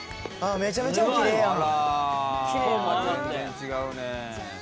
「めちゃくちゃきれいやわ」